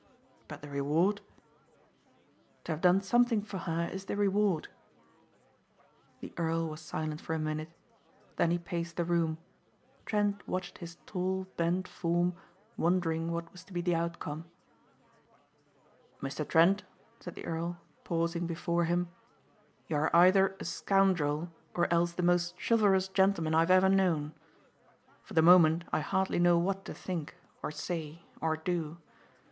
"But the reward?" "To have done something for her is the reward." The earl was silent for a minute. Then he paced the room. Trent watched his tall, bent form wondering what was to be the outcome. "Mr. Trent," said the earl pausing before him, "you are either a scoundrel or else the most chivalrous gentleman I have ever known. For the moment I hardly know what to think, or say, or do.